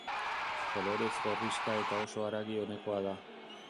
Kolorez gorrixka eta oso haragi onekoa da.